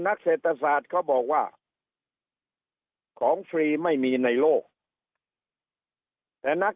นักเศรษฐศาสตร์เขาบอกว่าของฟรีไม่มีในโลกแต่นัก